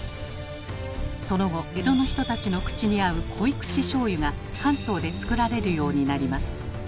その後江戸の人たちの口にあう濃い口しょうゆが関東で造られるようになります。